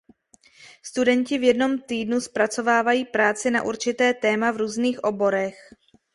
Studenti v jednom týdnu zpracovávají práci na určité téma v různých oborech.